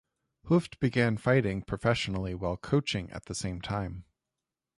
Hooft began fighting professionally while coaching at the same time.